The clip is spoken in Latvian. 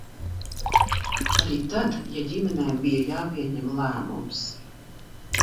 Arī tad, ja ģimenēm bija jāpieņem lēmums.